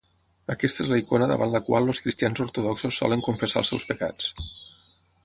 Aquesta és la icona davant la qual els cristians ortodoxos solen confessar els seus pecats.